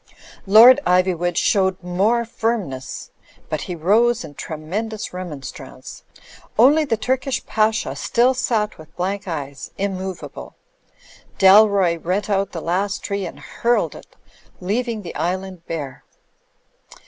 . Lord Iv3nvood showed more firmness; but he rose in tremendous remonstrance. Only the Turkish Pasha still sat with blank eyes, immovable. Dalroy rent out the last tree and hurled it, leaving the island bare.